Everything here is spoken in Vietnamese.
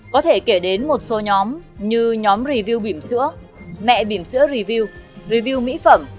có thể kể đến một số nhóm như nhóm review bìm sữa mẹ bìm sữa review review mỹ phẩm